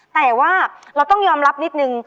แต่ว่าเราต้องยอมรับนิดนึง